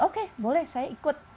oke boleh saya ikut